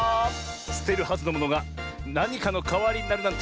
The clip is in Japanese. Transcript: すてるはずのものがなにかのかわりになるなんて